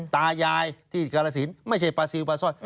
ตายายที่กลสินไม่ใช่ป่าซิ้วป่าซ่อย